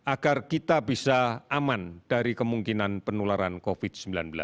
agar kita bisa aman dari kemungkinan penularan covid sembilan belas